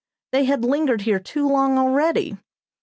They had lingered here too long already.